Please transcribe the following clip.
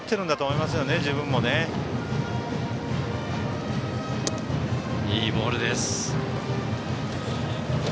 いいボールです。